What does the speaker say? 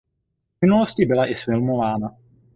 V minulosti byla i zfilmována.